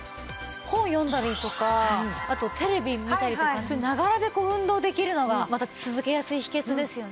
本読んだりとかあとテレビ見たりとかながらで運動できるのがまた続けやすい秘訣ですよね。